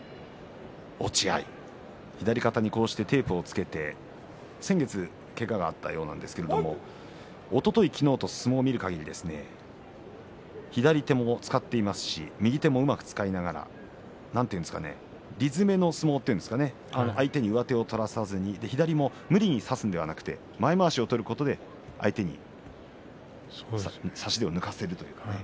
左肩にテープをつけて先月けががあったようですけどもおととい、昨日と相撲を見るかぎり左手も使っていますし右手もうまく使いながら理詰めの相撲というんでしょうか相手に上手を取らせずに前まわしを取ることで相手に差し手を抜かせるということですね。